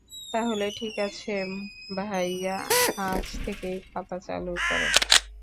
তাহলে ঠিক আছে ভাইয়া, আজ থেকেই খাতা চালু করো।